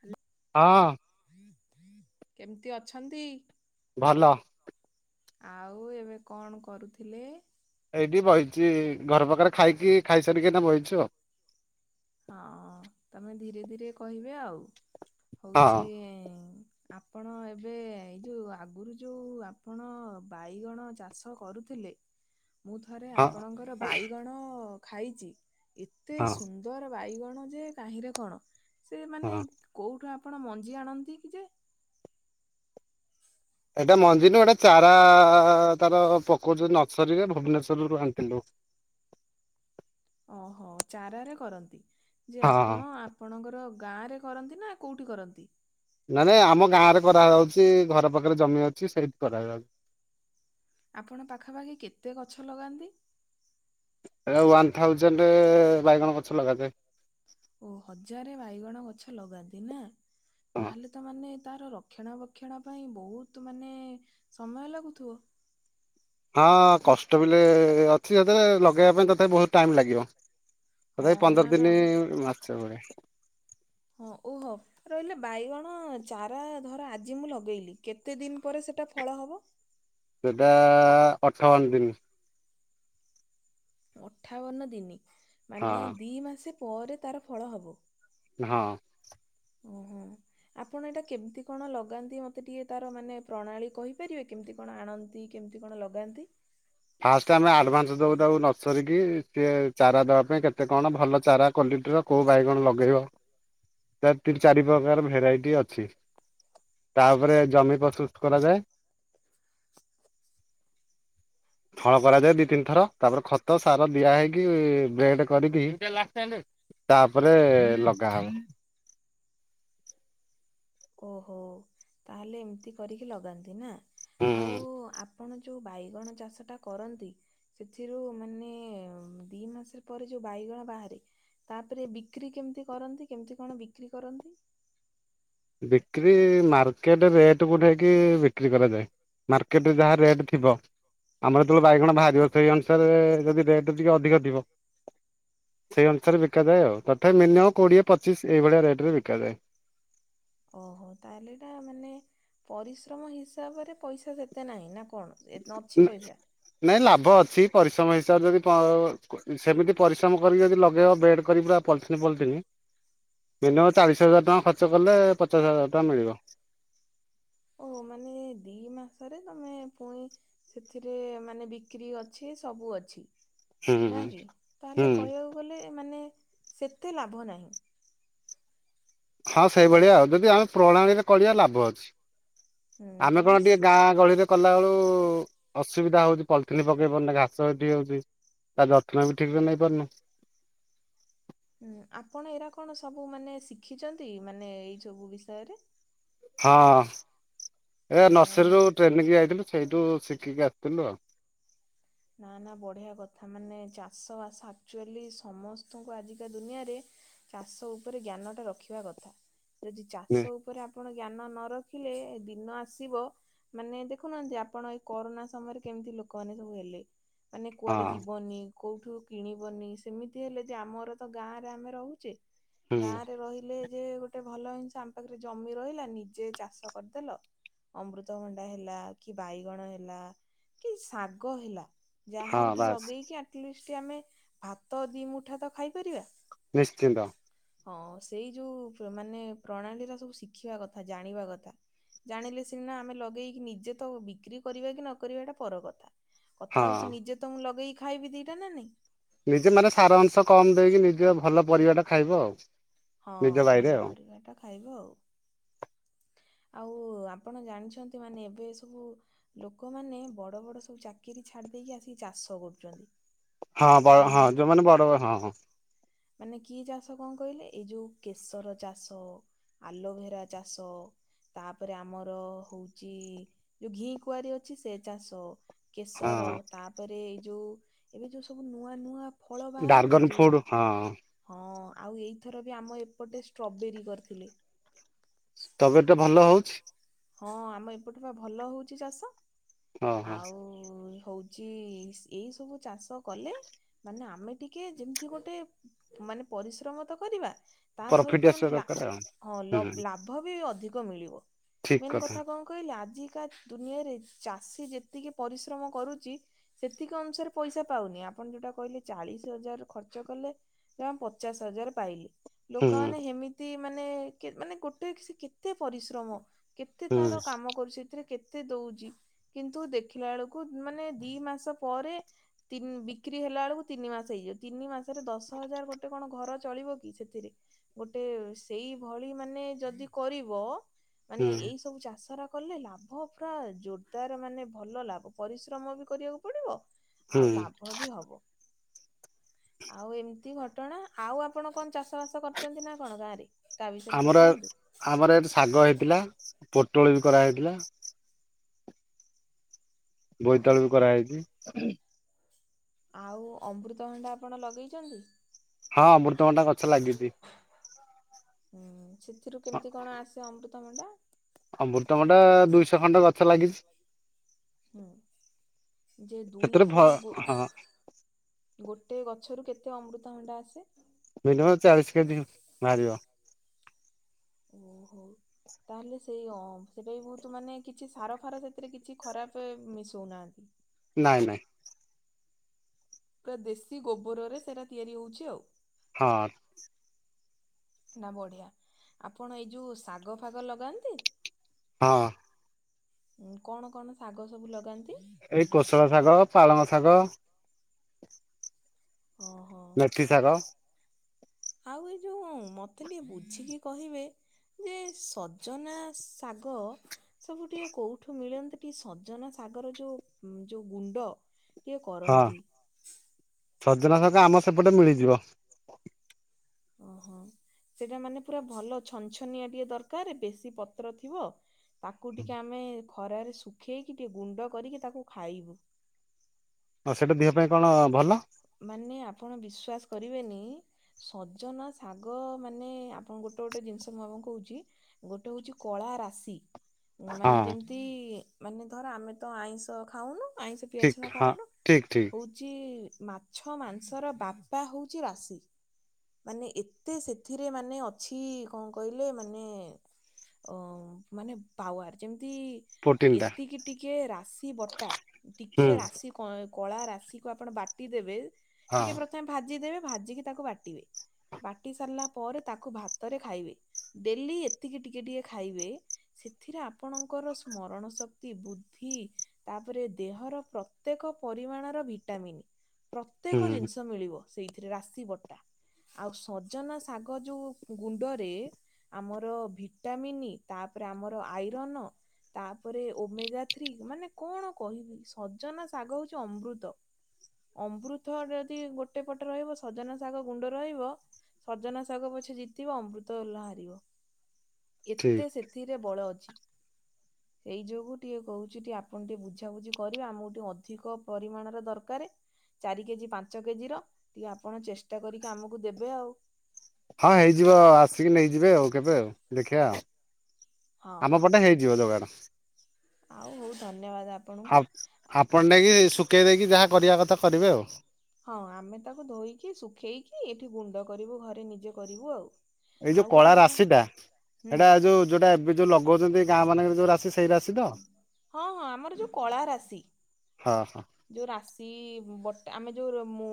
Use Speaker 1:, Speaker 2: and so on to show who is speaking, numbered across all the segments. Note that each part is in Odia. Speaker 1: ହ୍ୟାଲୋ।
Speaker 2: ହଁ।
Speaker 1: କେମିତି ଅଛନ୍ତି?
Speaker 2: ଭଲ।
Speaker 1: ଆଉ ଏବେ କଣ କରୁଥିଲେ?
Speaker 2: ଏଇଠି ବଇଚି ଘର ପାଖରେ ଖାଇକି ଖାଇସାରିକିନା ବଇଚୁ ଆଉ।
Speaker 1: ହଁ ତମେ ଧୀରେ ଧୀରେ କହିବେ ଆଉ
Speaker 2: ଆଉ।
Speaker 1: ହଉଛି ଆପଣ ଏବେ ଏଇ ଯୋଉ ଆଗରୁ ଯୋଉ ଆପଣ ବାଇଗଣ ଚାଷ କରୁଥିଲେ ମୁଁ ଥରେ
Speaker 2: ହଁ ହଁ
Speaker 1: ଆପଣଙ୍କର ବାଇଗଣ ଖାଇଛି ଏତେ
Speaker 2: ହଁ
Speaker 1: ସୁନ୍ଦର ସୁନ୍ଦର ବାଇଗଣ ଯେ କାହିଁରେ କଣ ସେ ମାନେ
Speaker 2: ହଁ।
Speaker 1: କୋଉଠୁ ଆପଣ ମଞ୍ଜି ଆଣନ୍ତି କି ଯେ?
Speaker 2: ଏଟା ମଞ୍ଜିି ନୁହେଁ ଏଟା ଚାରା ତାର ପକଉଚୁ ନର୍ସରୀରେ ଭୁବନେଶ୍ୱରରୁ ଆଣିଥିଲୁ।
Speaker 1: ଓହୋ ଚାରା କରନ୍ତି ଯେ
Speaker 2: ହଁ
Speaker 1: ଆପଣ ଆ ଆପଣଙ୍କର ଗାଁ ରେ କରନ୍ତି ନା କୋଉଠି କରନ୍ତି?
Speaker 2: ନାଇ ନାଇଁ ଆମ ଗାଁ ରେ କରା ଯାଉଛି ଘର ପାଖରେ ଜମି ଅଛି ସେଇଠି କରାଯାଉଛି।
Speaker 1: ଆପଣ ପାଖାପାଖି କେତେ ଗଛ ଲଗାନ୍ତି?
Speaker 2: ଏ ୱାନ୍ ଥାଉଜେଣ୍ଡ ବାଇଗଣ ଗଛ ଲଗାଯାଏ।
Speaker 1: ଓ ହଜାରେ ବାଇଗଣ ଗଛ ଲଗାନ୍ତି ନା?
Speaker 2: ହଁ
Speaker 1: ତାହେଲେ ତ ମାନେ ତାର ରକ୍ଷଣା ବକ୍ଷଣା ପାଇଁ ବହୁତ ମାନେ ସମୟ ଲାଗୁଥିବ।
Speaker 2: ହଁ କଷ୍ଟ ବିଲ ଅଛି ଯେତେବେଳେ ଲଗେଇବା ପାଇଁ ତଥାପି ବହୁତ ଟାଇମ୍ ଲାଗିବ।
Speaker 1: ହଁ
Speaker 2: ଏହି
Speaker 1: ନା
Speaker 2: ପନ୍ଦର
Speaker 1: ନା
Speaker 2: ଦିନି ମାସେ ବଳି
Speaker 1: ହଁ ଓହ। ରହିଲେ ବାଇଗଣ ଚାରା ଧର ଆଜି ମୁଁ ଲଗେଇଲି କେତେ ଦିନ ପରେ ସେଟା ଫଳ ହବ?
Speaker 2: ସେଟା ଅଠାବନ ଦିନି।
Speaker 1: ଅଠାବନ ଦିନି ମାନେ
Speaker 2: ହଁ
Speaker 1: ଦି ମାସ ପରେ ତାର ଫଳ ହବ?
Speaker 2: ହଁ।
Speaker 1: ଓ ହୁ। ଆପଣ ଏଇଟା କେମିତି କଣ ଲଗାନ୍ତି ମତେ ଟିକେ ତାର ମାନେ ପ୍ରଣାଳୀ କହିପାରିବେ କେମିତି କଣ ଆଣନ୍ତି? କେମିତି କଣ ଲଗାନ୍ତି?
Speaker 2: ଫାଷ୍ଟ ଆମେ ଆଡ଼ଭାନ୍ସ ଦେଉଥାଉ ନର୍ସରୀ କି ସିଏ ଚାରା ଦବା ପାଇଁ କେତେ କଣ ଭଲ ଚାରା କ୍ୱାଲିଟିର। କୋଉ ବାଇଗଣ ଲଗେଇବ ତା ତିନି ଚାରି ପ୍ରକାର ଭେରାଇଟି ଅଛି। ତାପରେ ଜମି ପ୍ରସ୍ତୁତ କରାଯାଏ। ହଳ କରାଯାଏ ଦି ତିନି ଥର ତାପରେ ଖତ ସାର ଦିଆହେଇକି ବେଡ କରିକି। ତାପରେ ଲଗା ହବ।
Speaker 1: ଓହୋ ତାହେଲେ ଏମତି କରିକି ଲଗାନ୍ତି ନା
Speaker 2: ହୁଁ।
Speaker 1: ଆଉ ଆ ଆପଣ ଯୋଉ ବାଇଗଣ ଚାଷଟା କରନ୍ତି। ସେଥିରୁ ମାନେ ଦି ମାସ ପରେ ଯୋଉ ବାଇଗଣ ବାହାରେ। ତାପରେ ବିକ୍ରି କେମିତି କରନ୍ତି କେମିତି କଣ ବିକ୍ରି କରନ୍ତି?
Speaker 2: ବିକ୍ରି ମାର୍କେଟ ରେଟ୍ କୁ ନେଇକି ବିକ୍ରି କରାଯାଏ। ମାର୍କେଟରେ ଯାହା ରେଟ୍ ଥିବ। ଆମର ଯେତେବେଳେ ବାଇଗଣ ବାହାରିବ ସେଇ ଅନୁସାରେ ଯଦି ରେଟ୍ ଟିକେ ଅଧିକ ଥିବ। ସେହି ଅନୁସାରେ ବିକାଯାଏ ଆଉ ତଥାପି ମିନିମମ୍ କୋଡ଼ିଏ ପଚିଶ ଏଭଳିଆ ରେଟରେ ବିକାଯାଏ।
Speaker 1: ଓହୋ ତାହେଲେ ଏଟା ମାନେ ପରିଶ୍ରମ ହିସାବରେ ପଇସା ସେତେ ନାହିଁ ନା କଣ? ଏ ଅଛି ପଇସା?
Speaker 2: ନାଇଁ ଲାଭ ଅଛି ପରିଶ୍ରମ ହିସାବରେ ଯଦି ପ ସେମିତି ପରିଶ୍ରମ କରିକି ଯଦି ଲଗେଇବ ବେଡ଼୍ କରି ପୁରା ପଲିଥିନି ପଲିଥିନି। ମିନିମମ୍ ଚାଳିଶ ହଜାର ଟଙ୍କା ଖର୍ଚ୍ଚ କଲେ ପଚାଶ ହଜାର ଟଙ୍କା ମିଳିବ।
Speaker 1: ଓହୋ ମାନେ ଦି ମାସରେ ତମେ ପୁଣି। ସେଥିରେ ମାନେ ବିକ୍ରି ଅଛି ସବୁ ଅଛି।
Speaker 2: ହୁଁ
Speaker 1: ନା
Speaker 2: ହୁଁ
Speaker 1: କି
Speaker 2: ହୁଁ
Speaker 1: ତାହେଲେ କହିବାକୁ ଗଲେ ମାନେ ସେତେ ଲାଭ ନାହିଁ।
Speaker 2: ହଁ
Speaker 1: ହୁଁ।
Speaker 2: ସେଇଭଳିଆ ଆଉ ଯଦି ଆମେ ପ୍ରଣାଳୀରେ କରିବା ଲାଭ ଅଛି।
Speaker 1: ହୁଁ
Speaker 2: ଆମେ
Speaker 1: ଯଦି
Speaker 2: କଣ ଟିକେ
Speaker 1: ସ୍
Speaker 2: ଗାଁ ଗହଳିରେ। କଲାବଳୁ ଅସୁବିଧା ହଉଛି ପଲିଥିନ ପକେଇ ପାରୁନି ଘାସ ଏଠି ହଉଛି। ତା ଯତ୍ନ ବି ଠିକରେ ନେଇପାରୁନୁ।
Speaker 1: ହୁଁ ଆପଣ ଏରା କଣ ସବୁ ମାନେ ଶିଖିଛନ୍ତି ମାନେ ଏଇ ସବୁ ବିଷୟରେ?
Speaker 2: ହଁ ଏ
Speaker 1: ହଁ।
Speaker 2: ନର୍ସରୀରୁ ଟ୍ରେନିଂ ଯାଇଥିଲୁ ସେଇଠୁ ଶିଖିକି ଆସିଥିଲୁ ଆଉ।
Speaker 1: ନା ନା ବଢିଆ କଥା ମାନେ ଚାଷ ବାସ ଆକ୍ଚୁଆଲି ସମସ୍ତଙ୍କୁ ଆଜିକା ଦୁନିଆରେ। ଚାଷ ଉପରେ ଜ୍ଞାନଟା ରଖିବା କଥା ଯଦି
Speaker 2: ହଁ
Speaker 1: ଚାଷ ଉ ପରେ ଆପଣ ଜ୍ଞାନ ନ ରଖିଲେ ଦିନ ଆସିବ। ମାନେ ଦେଖୁନାହାନ୍ତି ଆପଣ ଏଇ କରୋନା ସମୟରେ କେମତି ଲୋକମାନେ ସବୁ ହେଲେ। ମାନେ କୁଆଡେ ଯିବନି। କୋଉଠୁ କିଣିବନି ସେମିତି ହେଲେ ଯେ ଆମର ତ ଗାଁରେ ଆମେ ରହୁଚେ।
Speaker 2: ହୁଁ
Speaker 1: ଗାଁରେ ରହିଲେ ଯେ ଗୋଟେ ଭଲ ଜିନିଷ ଆମ ପାଖରେ ଜମି ରହିଲା ନିଜେ ଚାଷ କରିଦେଲ। ଅମୃତଭଣ୍ଡା ହେଲା କି ବାଇଗଣ ହେଲା କି ଶାଗ ହେଲା।
Speaker 2: ହଁ
Speaker 1: ଯାହାବି ଟିକେ
Speaker 2: ବାସ୍
Speaker 1: ଲଗେଇକି ଆଟଲିଷ୍ଟ ଆମେ ଭାତ ଦି ମୁଠା ତ ଖାଇପାରିବା।
Speaker 2: ନିଶ୍ଚିନ୍ତ।
Speaker 1: ହଁ ସେଇ ଯୋଉ ମାନେ ପ୍ରଣାଳୀରା ସବୁ ଶିଖିବା କଥା ଜାଣିବା କଥା। ଜାଣିଲେ ସିନା ଆମେ ଲଗେଇକି ନିଜେ ତ ବିକ୍ରି କରିବା କି ନକରିବା ଏଟା ପର କଥା। କଥା
Speaker 2: ହଁ।
Speaker 1: ହଉଛି ନିଜେ ତ ମୁଁ ଲଗେଇକି ଖାଇବି ଦିଇଟା ନା ନାଇଁ।
Speaker 2: ନିଜେ ମାନେ ସାର ଅଂଶ କମ ଦେଇକି ନିଜେ ଭଲ ପରିବାଟା ଖାଇବ ଆଉ।
Speaker 1: ହଁ
Speaker 2: ନିଜ ବାଇରେ
Speaker 1: ଭଲ
Speaker 2: ଆଉ।
Speaker 1: ପରିବାଟା ଖାଇବ ଆଉ। ଆଉ ଆପଣ ଜାଣିଛନ୍ତି ମାନେ ଏବେ ସବୁ। ଲୋକମାନେ ବଡ ବଡ ସବୁ ଚାକିରି ଛାଡି ଦେଇକି ଆସିିକି ଚାଷ କରୁଛନ୍ତି।
Speaker 2: ହଁ ବ
Speaker 1: ମାନେ
Speaker 2: ହଁ ଯୋଉମାନେ ବଡ ହଁ ହଁ।
Speaker 1: ମାନେ କି ଚାଷ କଣ କହିଲେ ଏଇ ଯୋଉ କେଶର ଚାଷ, ଆଲୋଭେରା ଚା ଷ ତାପରେ ଆମର ହଉଛି ଯେଉ ଘି କୁଆରୀ ଅଛି ସେ ଚାଷ। କେଶର
Speaker 2: ହଁ
Speaker 1: ତାପରେ ଏଇ ଯୋଉ ଏବେ ଯୋଉ ସବୁ ନୂଆ ନୂଆ ଫଳ ବାହାରୁନି,
Speaker 2: ଡାର୍ଗନ
Speaker 1: ଯେଉଁ
Speaker 2: ଫୁଡ ହଁ।
Speaker 1: ହଁ ଆଉ ଏଇଥର ବି ଆମ ଏପଟେ ଷ୍ଟ୍ରବେରୀ କରିଥିଲେ।
Speaker 2: ଷ୍ଟ୍ରବେରୀଟେ ଭଲ ହଉଛି
Speaker 1: ହଁ ଆମ ଏପଟେ ବା ଭଲ ହଉଛି ଚାଷ
Speaker 2: ଓହୋ
Speaker 1: ଆଉ ହଉଛି ଏଇ ସବୁ ଚାଷ କଲେ ମାନେ ଆମେ ଟିକେ ଯେମିତି ଗୋଟେ ମାନେ ପରିଶ୍ରମ ତ କରିବା ତା
Speaker 2: ପ୍ରଫିଟ
Speaker 1: ସହିତ
Speaker 2: ଆସିବା
Speaker 1: ମାନେ ଲା
Speaker 2: ଦରକାର ଆଉ
Speaker 1: ହଁ
Speaker 2: ହୁଁ
Speaker 1: ଲାଭ ବି ଅଧିକ ମିଳିବ। ମେନ୍ କଥା କଣ କହିଲେ ଆଜିକା ଦୁନିଆରେ ଚାଷୀ ଯେତିକି ପରିଶ୍ରମ କରୁଛି ସେତିକି ଅନୁସାରେ ପଇସା ପାଉନି ଆପଣ ଯୋଉଟା କହିଲେ ଚାଳିଶ ହଜାର ଖର୍ଚ୍ଚ କଲେ ଜାନ ପଚାଶ ହଜାର ପାଇଲି
Speaker 2: ହୁଁ
Speaker 1: ଲୋକମାନେ ହେମିତି ମାନେ କେ ମାନେ ଗୋଟେ କି କେତେ ପରିଶ୍ରମ କେତେ
Speaker 2: ହୁଁ
Speaker 1: ତାର କାମ କରୁଛି ଏଥିରେ କେତେ ଦଉଛି କିନ୍ତୁ ଦେଖିଲା ବେଳକୁ ମାନେ ଦି ମାସ ପରେ ତି ବିକ୍ରି ହେଲା ବେଳକୁ ତିନି ମାସ ହେଇଯିବ ତିନି ମାସରେ ଦଶ ହଜାର ଗୋଟେ କଣ ଘର ଚଳିବ କି ସେଥିରେ ଗୋଟେ ସେଇ ଭଳି ମାନେ ଯଦି କରିବ
Speaker 2: ହୁଁ
Speaker 1: ମାନେ ଏଇ ସବୁ ଚାଷର କଲେ ଲାଭ ପୁରା ଜୋରଦାର ମାନେ ଭଲ ଲାଭ ପରିଶ୍ରମ ବି କରିବାକୁ ପଡ଼ିବ
Speaker 2: ହୁଁ
Speaker 1: ଆଉ ଲାଭ ବି ହବ ଆଉ ଏମିତି ଘଟଣା ଆଉ ଆପଣ କଣ ଚାଷ ଚାଷ ବାସ କରୁଛନ୍ତି ନା କଣ ଗାଁରେ ତା ବିଷୟରେ ଟିକେ
Speaker 2: ଆମର
Speaker 1: କୁହନ୍ତୁ?
Speaker 2: ଆମର ଏଠି ଶାଗ ହେଇଥିଲା ପୋଟଳ ବି କରାହେଇଥିଲା।
Speaker 1: ଓହୋ
Speaker 2: ବୋଇତାଳୁବି କରାହେଇଛି।
Speaker 1: ଆଉ ଅମୃତଭଣ୍ଡା ଆପଣ ଲଗେଇଛନ୍ତି?
Speaker 2: ହଁ ଅମୃତଭଣ୍ଡା ଗଛ ଲାଗିଛି।
Speaker 1: ହୁଁ ସେଥିରୁ କେମିତି କଣ ଆସେ ଅମୃତଭଣ୍ଡା?
Speaker 2: ଅମୃତଭଣ୍ଡା ଦୁଇଶହ ଖଣ୍ଡେ ଗଛ ଲାଗିଛି।
Speaker 1: ଯେ
Speaker 2: ସେଥିରେ ଭ
Speaker 1: ଦୁଇଶହ ରୁ ବୋ
Speaker 2: ହଁ
Speaker 1: ଗୋଟେ ଗଛରୁ କେତେ ଅମୃତଭଣ୍ଡା ଆସେ?
Speaker 2: ମିନିମମ୍ ଚାଳିସି କେଜି ବାହାରିବ।
Speaker 1: ଓ ହଉ। ତାହେଲେ ସେଇ ଅ ସେଟାଇ ବହୁତ ମାନେ କିଛି ସାର ଫାର ସେଥିରେ କିଛି ଖରାପ ମିଶଉନାହାନ୍ତି।
Speaker 2: ନାଇଁ ନାଇଁ।
Speaker 1: ପୁରା ଦେଶୀ ଗୋବରରେ ସେରା ତିଆରି ହଉଛି ଆଉ।
Speaker 2: ହଁ।
Speaker 1: [inaudible] ନା ବଢ଼ିଆ, ଆପଣ ଏଇ ଯୋଉ ଶାଗ ଫାଗ ଲଗାନ୍ତି?
Speaker 2: ହଁ।
Speaker 1: ଉଁ କଣ କଣ ଶାଗ ସବୁ ଲଗାନ୍ତି?
Speaker 2: ଏଇ କୋଶଲା ଶାଗ ପାଳଙ୍ଗ ଶାଗ
Speaker 1: ହଁ।
Speaker 2: ମେଥିଶାଗ
Speaker 1: ଆଉ ଏ ଯେଉଁ ମୋତେ ଟିକେ ବୁଝିକି କହିବେ ଏ ସଜନା ଶାଗ ସବୁ ଟିକେ କୋଉଠୁ ମିଳନ୍ତି ଟିକେ ସଜନା ସାଗର ଯୋଉ ଯୋଉ ଗୁଣ୍ଡ ଟିକେ
Speaker 2: ହଁ
Speaker 1: କରନ୍ତି।
Speaker 2: ସଜନା ଶାଗ ଆମର ସେପଟେ ମିଳିଯିବ।
Speaker 1: ଓହୋ। ସେଇଟା ମାନେ ପୁରା ଭଲ ଛନଛନିଆ ଟିକେ ଦରକାର ବେଶୀ ପତ୍ର ଥିବ। ତାକୁ ଟିକେ ଆମେ ଖରାରେ ଶୁଖେଇକି ଟିକେ ଗୁଣ୍ଡ କରିକି ତାକୁ ଖାଇବୁ।
Speaker 2: ହଁ ସେଇଟା ଦେହ ପାଇଁ କଣ ଭଲ?
Speaker 1: ମାନେ ଆପଣ ବିଶ୍ଵାସ କରିବେନି ସଜନା ଶାଗମାନେ ଆପଣଙ୍କୁ ଗୋଟେ ଗୋଟେ ଜିନିଷ ମୁଁ ଆପଣଙ୍କୁ କହୁଛି। ଗୋଟେ ହଉଛି କଳା ରାଶି ମାନେ
Speaker 2: ହଁ
Speaker 1: ଯେମିତି ମାନେ ଧର ଆମେ ତ ଆଇଁଷ ଖାଉନୁ ଆଇଁଷ ପିଆଜ
Speaker 2: ଠିକ
Speaker 1: ରସୁଣ
Speaker 2: ହଁ
Speaker 1: ଖାଉନୁ,
Speaker 2: ଠିକ ଠିକ
Speaker 1: ହଉଛି ମାଛ ମାଂସର ବାପା ହଉଛି ରାଶି। ମାନେ ଏତେ ସେଥିରେ ମାନେ ଅଛି କଣ କହିଲେ ମାନେ ଅ ମାନେ ପାୱାର ଯେମିତି
Speaker 2: ପ୍ରୋଟିନ ଟା
Speaker 1: ଏତିକି ଟିକେ ରାଶି ବଟା
Speaker 2: ହୁଁ
Speaker 1: ଟିକେ ରାଶି କଳା ରାଶିକୁ ଆପଣ ବାଟିଦେବେ,
Speaker 2: ହଁ
Speaker 1: ଟିକେ ପ୍ରଥମେ ଭାଜି ଦେବେ ଭାଜିକି ତାକୁ ବାଟିବେ। ବାଟି ସାରିଲା ପରେ ତାକୁ ଭାତରେ ଖାଇବେ। ଡେଲି ଏତିକି ଟିକେ ଟିକେ ଖାଇବେ। ସେଥିରେ ଆପଣଙ୍କର ସ୍ମରଣ ଶକ୍ତି ବୁଦ୍ଧି ତାପରେ ଦେହର ପ୍ରତ୍ୟେକ ପରିମାଣର ଭିଟାମିନ୍
Speaker 2: ହୁଁ
Speaker 1: ପ୍ରତ୍ୟେକ ଜିନିଷ ମିଳିବ ସେଇଥିରେ ରାଶି ବଟା। ଆଉ ସଜନା ଶାଗ ଯୋଉ ଗୁଣ୍ଡରେ ଆମର ଭିଟାମିନ୍ ତାପରେ ଆମର ଆଇରନ୍ ତାପରେ ଓମେଗା ଥ୍ରୀ। ମାନେ କଣ କହିବି ସଜନା ଶାଗ ହଉଛି ଅମୃତ। ଅମୃତ ଯଦି ଗୋଟେ ପଟେ ରହିବ ସଜନା ଶାଗ ଗୁଣ୍ଡ ରହିବ ସଜନା ଶାଗ ପଛେ ଜିତିବ ଅମୃତ ହେଲା ହାରିବ।
Speaker 2: ଠିକ
Speaker 1: ଏତେ ସେ ଥିରେ ବଳ ଅଛି। ଏଇ ଯୋଗୁଁ ଟିକେ କହୁଛି ଟିକେ ଆପଣ ଟିକେ ବୁଝାବୁଝି କରିବେ ଆମକୁ ଟିକେ ଅଧିକ ପରିମାଣର ଦରକାର। ଚାରି କେଜି ପାଞ୍ଚ କେଜିର ଟିକେ ଆପଣ ଚେଷ୍ଟା କରିକି ଆମକୁ ଦେବେ ଆଉ।
Speaker 2: ହଁ ହେଇଯିବ ଆଉ ଆସିକି ନେଇଯିବେ ଆଉ କେବେ ଆଉ ଦେଖିବା ଆଉ।
Speaker 1: ହଁ ହଁ।
Speaker 2: ଆମ ପଟେ ହେଇଯିବ ଯୋଗାଡ଼।
Speaker 1: ଆଉ ହଉ ଧନ୍ୟବାଦ ଆପ
Speaker 2: ଆ ଆପଣ ନେଇକି ଶୁଖେଇ ଦେଇକି ଯାହା କରିବା କଥା କରିବେ ଆଉ।
Speaker 1: ହଁ ଆମେ ତାକୁ ଧୋଇକି ଶୁଖେଇକି ଏଠି ଗୁଣ୍ଡ କରିବୁ ଘରେ ନିଜେ କରିବୁ ଆଉ।
Speaker 2: ଏଇ ଯୋଉ
Speaker 1: ଆଉ ଗୋଟେ
Speaker 2: କଳା
Speaker 1: କଥା
Speaker 2: ରାଶି ଟା
Speaker 1: ହୁଁ
Speaker 2: ହେଇଟା ଯୋଉ ଯୋଉଟା ଏବେ ଯୋଉ ଲଗଉଛନ୍ତି ଗାଁ ମାନଙ୍କରେ ଯୋଉ ରାଶି ସେଇ ରାଶି ତ?
Speaker 1: ହଁ ହଁ ଆମର ଯୋଉ କଳା ରାଶି।
Speaker 2: ହଁ ହଁ।
Speaker 1: ଯେଉ ରାଶି ବଟା ଆମେ ଯୋଉ ମୋ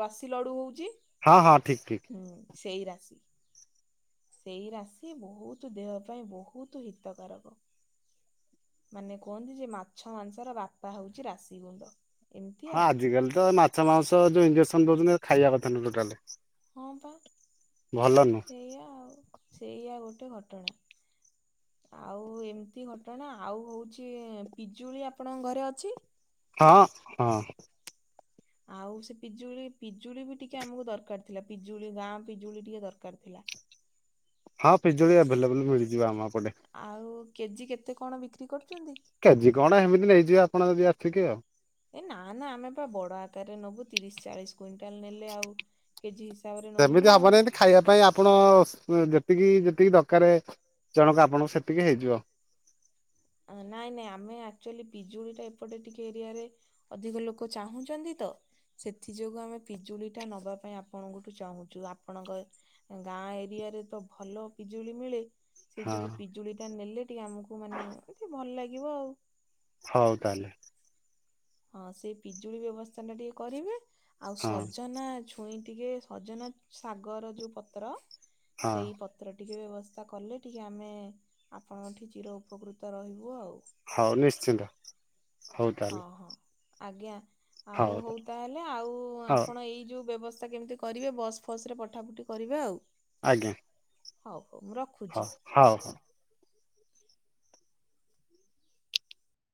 Speaker 1: ରଶି ଲଡ଼ୁ ହଉଛି।
Speaker 2: ହଁ ହଁ ଠିକ୍ ଠିକ୍।
Speaker 1: ହୁଁ ସେଇ ରାଶି। ସେଇ ରାଶି ବହୁତ ଦେହ ପାଇଁ ବହୁତ ହିତକାରକ। ମାନେ କୁହନ୍ତି ଯେ ମାଛ ମାଂସର ବାପା ହଉଛି ରାଶି ଗୁଣ୍ଡ। ଏମିତି
Speaker 2: ହଁ
Speaker 1: ଆଉ
Speaker 2: ଆଜିକାଲି ତ ମାଛ ମାଂସ ଯୋଉ ଇଜେକ୍ସନ ଦଉଛନ୍ତି, ଖାଇବା କଥା ନୁହ ଟୋଟାଲ।
Speaker 1: ହଁ ପା ସେଇଆ ଆଉ ସେଇଆ ଗୋଟେ ଘଟଣା। ଆଉ ଏମିତି ଘଟଣା ଆଉ ହଉଛି ପିଜୁଳି ଆପଣଙ୍କ ଘରେ ଅଛି।
Speaker 2: ହଁ ହଁ।
Speaker 1: ଆଉ ସେ ପିଜୁଳି ପିଜୁଳି ବି ଟିକେ ଆମକୁ ଦରକାର ଥିଲା ପିଜୁଳି ଗାଁ ପିଜୁଳି ଟିକେ ଦରକାର ଥିଲା।
Speaker 2: ହଁ ପିଜୁଳି ଆଭେଲେବୁଲ ମିଳିଯିବ ଆମପଟେ
Speaker 1: ଆଉ କେଜି କେତେ କଣ ବିକ୍ରି କରୁଛନ୍ତି।
Speaker 2: କେଜି କଣ ଏମିତି ନେଇଯିବେ ଆପଣ ଯଦି ଆସିକି ଆଉ।
Speaker 1: ଏ ନା ନା ଆମେ ପା ବଡ ଆକାରରେ ନବୁ ତିରିଶ ଚାଳିଶ କୁଇଣ୍ଟାଲ ନେଲେ ଆଉ କେଜି ହିସାବରେ ନବୁ
Speaker 2: ସେମିତି
Speaker 1: ନା
Speaker 2: ହବନି
Speaker 1: ଆଉ।
Speaker 2: ଏମିତି ଖାଇବା ପାଇଁ ଆପଣ ଯେତିକି ଯେତିକି ଦରକାର, ଜଣକା ଆପଣଙ୍କ ସେତିକି ହେଇଯିବ।
Speaker 1: ଅଁ ନାଇ ନାଇ ଆମେ ଆକ୍ଚୁଆଲି ପିଜୁଳି ଟା ଏପଟେ ଟିକେ ଏରିଆରେ ଅଧିକ ଲୋକ ଚାହୁଁଛନ୍ତି ତ ସେଥି ଯୋଗୁ ଆମେ ପିଜୁଳି ଟା ନବା ପାଇଁ ଆପଣଙ୍କଠୁ ଚାହୁଁଛୁ। ଆପଣଙ୍କ ଗାଁ ଏରିଆ ରେ ତ ଭଲ ପିଜୁଳି ମିଳେ। ସେ
Speaker 2: ହଁ
Speaker 1: ଯୋଗୁ ପିଜୁଳି ଟା ନେଲେ ଟିକେ ଆମକୁ ମାନେ ଟିକେ ଭଲ ଲାଗିବ ଆଉ।
Speaker 2: ହଉ ତାହେଲେ।
Speaker 1: ହଁ ସେଇ ପିଜୁଳି ବ୍ୟବସ୍ଥା ଟା ଟିକେ କରିବେ। ଆଉ
Speaker 2: ହଁ
Speaker 1: ସଜନା ଛୁଇଁ ଟିକେ ସଜନା ଶାଗର ଯୋଉ ପତ୍ର,
Speaker 2: ହଁ
Speaker 1: ସେଇ ପତ ଏଥର ଟିକେ ବ୍ୟବସ୍ଥା କଲେ ଟିକିେ ଆମେ ଆପଣଙ୍କଠି ଚିର ଉପକୃତ ରହିବୁ ଆଉ।
Speaker 2: ହଉ ନିଶ୍ଚିନ୍ତ। ହଉ
Speaker 1: ହଁ
Speaker 2: ତାହେଲେ
Speaker 1: ହଁ। ଆଜ୍ଞା। ଆଉ ହଉ ତାହେଲେ, ଆଉ
Speaker 2: ହଉ
Speaker 1: ଆପଣ ଏଇ ଯୋଉ ବ୍ୟବସ୍ଥା କେମିତି କରିବେ ବସ୍ ଫସ୍ ରେ ପଠାପଠି କରିବେ ଆଉ।
Speaker 2: ଆଜ୍ଞା।
Speaker 1: ହଉ ହଉ ମୁଁ ରଖ
Speaker 2: ହଉ ହଉ ହଉ।